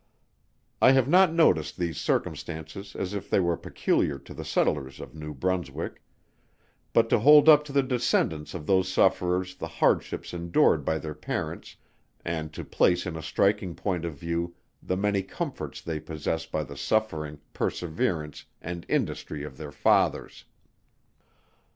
I have not noticed these circumstances as if they were peculiar to the settlers of New Brunswick; but to hold up to the descendants of those sufferers the hardships endured by their parents; and to place in a striking point of view, the many comforts they possess by the suffering, perseverance, and industry of their fathers.